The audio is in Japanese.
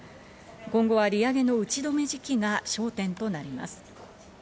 今後は利上げの打ちどめ時期が焦点となります。